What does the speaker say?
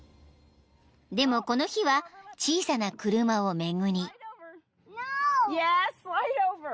［でもこの日は小さな車を巡り］